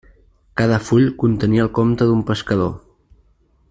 Cada full contenia el compte d'un pescador.